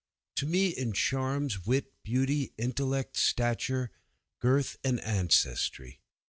to me in charms, wit, beauty, intellect, stature, girth, and ancestry.